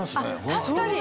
確かに！